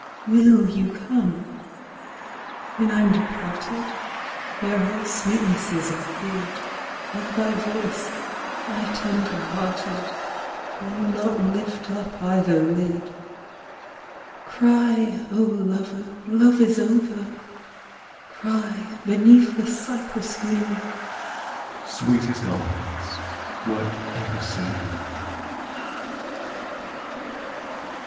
X. Will you come? When I'm departed Where all sweetnesses are hid, Where thy voice, my tender hearted, Will not lift up either lid. Cry, O lover, Love is over! Cry, beneath the cypress green, "Sweetest eyes were ever seen!"